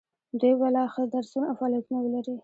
دوی به لا ښه درسونه او فعالیتونه ولري.